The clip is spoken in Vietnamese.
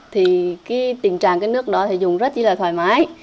thì cái tình trạng cái nước đó thì dùng rất là thoải mái